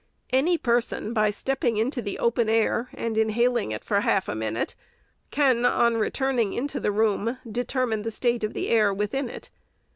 Any person, by stepping into the open air and inhaling it for half a minute, can, on returning into the room, deter mine the state of the air within it.